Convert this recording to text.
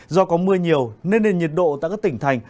do có mưa nhiều nên nền nhiệt độ tại các tỉnh thành